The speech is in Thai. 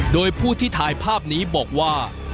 โดยผู้ที่ถ่ายภาพนี้บอกว่า